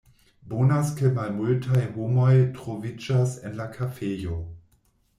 Bonas ke malmultaj homoj troviĝas en la kafejo.